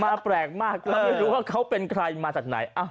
แปลกมากไม่รู้ว่าเขาเป็นใครมาจากไหน